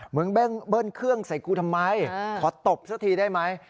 มึงเบิ้ลเครื่องใส่กูทำไมขอตบซะทีได้ไหม